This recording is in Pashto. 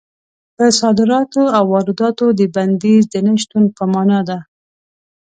په صادراتو او وارداتو د بندیز د نه شتون په مانا ده.